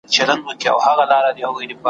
د پیر نیکونه ټول غوثان تېر سوي ,